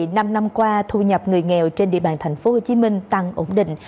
năm năm qua thu nhập người nghèo trên địa bàn tp hcm tăng ổn định